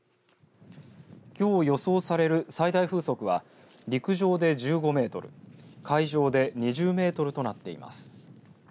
きょう予想される最大風速は陸上で１５メートル海上で２０メートルとなっています。